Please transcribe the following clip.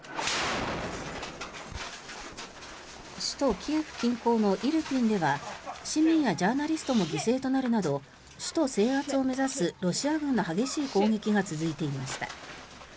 首都キエフ近郊のイルピンでは市民やジャーナリストも犠牲となるなど首都制圧を目指すロシア軍の激しい攻撃が続いていました。